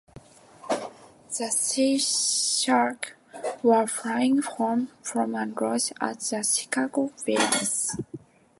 The Seahawks were flying home from a loss at the Chicago Bears.